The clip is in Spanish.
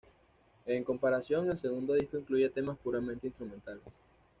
En comparación, el segundo disco incluye temas puramente instrumentales.